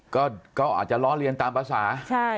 ก็อาจจะล้อเลียนตามภาษา